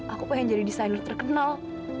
aku pengen jadi desainer terkenal